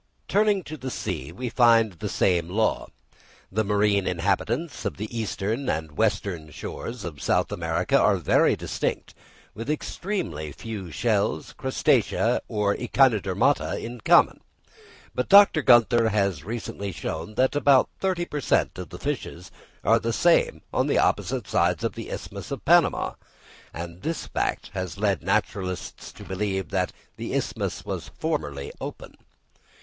Turning to the sea, we find the same law. The marine inhabitants of the eastern and western shores of South America are very distinct, with extremely few shells, crustacea, or echinodermata in common; but Dr. Günther has recently shown that about thirty per cent of the fishes are the same on the opposite sides of the isthmus of Panama; and this fact has led naturalists to believe that the isthmus was formerly open.